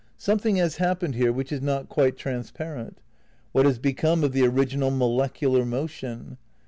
Some thing has happened here which is not quite transparent. What has become of the original molecular motion?